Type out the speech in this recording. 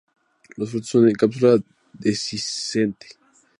Los frutos son en cápsula dehiscente.